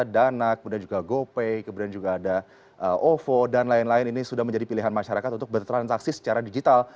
dana kemudian juga gopay kemudian juga ada ovo dan lain lain ini sudah menjadi pilihan masyarakat untuk bertransaksi secara digital